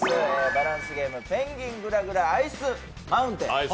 バランスゲーム、「ペンギンぐらぐらアイスマウンテン」。